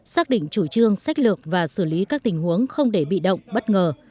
xác định chủ trương sách lược và xử lý các tình huống không để bị động bất ngờ